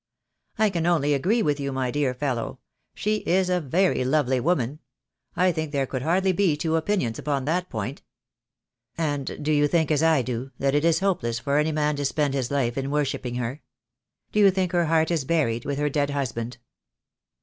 "I can only agree with you, my dear fellow. She is a very lovely woman. I think there could hardly be two opinions upon that point." "And do you think — as I do — that it is hopeless for any man to spend his life in worshipping her? Do you think her heart is buried with her dead husband?"